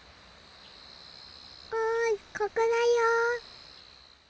おいここだよ！